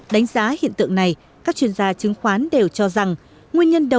đánh giá hiện tượng này các chuyên gia chứng khoán đều cho rằng